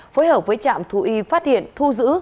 phối hợp với trạm thú y phát hiện thu giữ